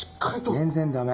全然駄目。